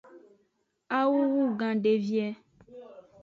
Awuo wugan devie.